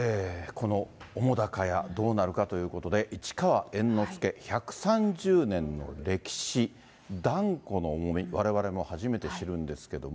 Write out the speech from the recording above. この澤瀉屋、どうなるかということで、市川猿之助１３０年の歴史、團子の重み、われわれも初めて知るんですけども。